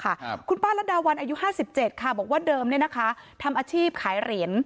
ครับคุณป้ารัดดาวันอายุห้าสิบเจ็ดค่ะบอกว่าเดิมเนี้ยนะคะทำอาชีพขายเหรียญ